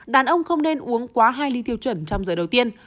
đàn ông không nên uống quá hai ly tiêu chuẩn trong giờ đầu tiên